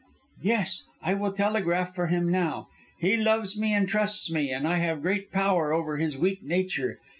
"Yes. I will telegraph for him now. He loves me and trusts me, and I have great power over his weak nature.